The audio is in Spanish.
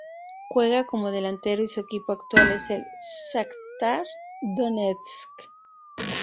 Juega como delantero y su equipo actual es el Shakhtar Donetsk.